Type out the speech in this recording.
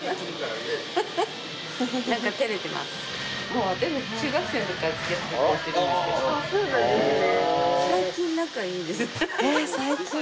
あそうなんですね。